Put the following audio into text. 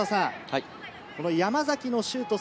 山崎のシュート。